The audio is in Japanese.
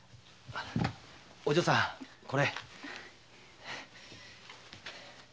お嬢さんこれ。